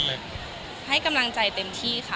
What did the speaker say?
ให้ทำให้กำลังใจเต็มที่ค่ะ